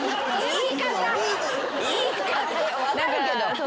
言い方よ分かるけど。